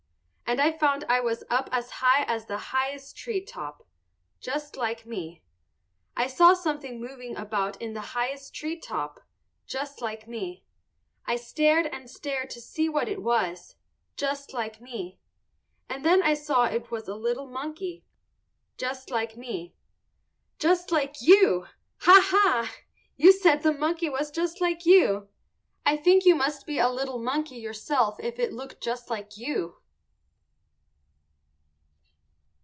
_ And I found I was up as high as the highest tree top. Just like me. I saw something moving about in the highest tree top. Just like me. I stared and stared to see what it was. Just like me. And then I saw it was a little monkey. Just like me. Just like you! Ha, ha! You said the monkey was just like you; I think you must be a little monkey yourself if it looked just like you.